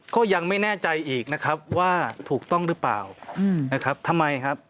ก็ยังไม่แน่ใจอีกนะครับว่าถูกต้องหรือเปล่านะครับทำไมครับ